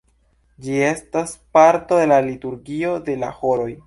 Ĝi estas parto de la liturgio de la horoj.